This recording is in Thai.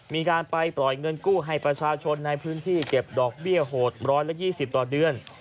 มีการไปปล่อยเงินกู้ให้ประชาชนในพื้นที่เก็บดอกเบี้ยโหด๑๒๐ต่อเดือน